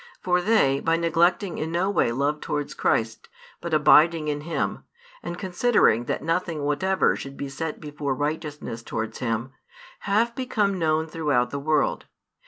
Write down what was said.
For they, by neglecting in no way love towards Christ, but abiding in Him, and considering that nothing whatever should be set before righteousness towards Him, have become known throughout the world.